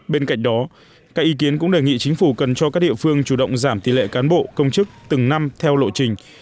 bên cạnh đó các ý kiến cũng đề nghị chính phủ cần cho các địa phương chủ động giảm tỷ lệ cán bộ công chức từng năm theo lộ trình